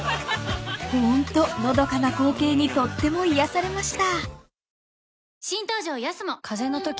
［ホントのどかな光景にとっても癒やされました］